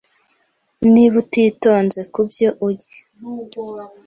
Niba utitonze kubyo urya,